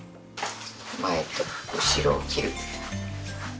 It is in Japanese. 前と後ろを切る。